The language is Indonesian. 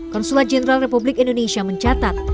konsulat jenderal republik indonesia mencatat